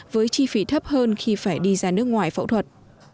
với chi phí thấp hơn khi phải đi ra nước ngoài phẫu thuật